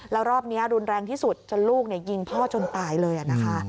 แล้วรอบนี้รุนแรงที่สุดจนลูกยิงพ่อจนตายเลยนะคะ